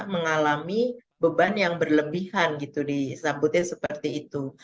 mengalami beban yang berlebihan gitu disambutnya seperti itu